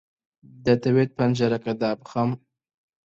دەتەوێت پەنجەرەکە دابخەم؟